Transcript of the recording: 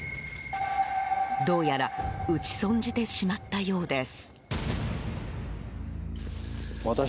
どうやら撃ち損じてしまったようです。